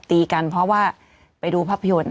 ตีกันเพราะว่าไปดูภาพยนตร์